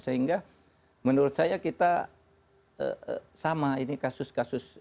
sehingga menurut saya kita sama ini kasus kasus